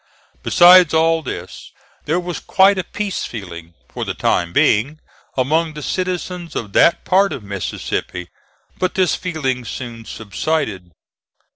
Besides all this there was quite a peace feeling, for the time being, among the citizens of that part of Mississippi, but this feeling soon subsided.